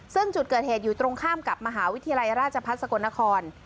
ซึ่งจุดเกิดเหตุอยู่ตรงข้ามกับมหาวิทยาลัยราชพัฒน์สกลนคร